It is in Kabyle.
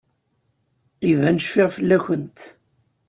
Iban cfiɣ fell-akent.